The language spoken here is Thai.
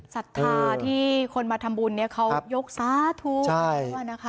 ศรัทธาที่คนมาทำบุญเนี่ยเขายกษาถูกด้วยนะครับ